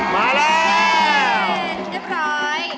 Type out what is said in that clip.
มาแล้วเรียบร้อย